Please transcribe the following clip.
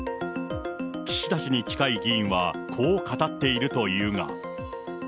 岸田氏に近い議員は、こう語っているというが。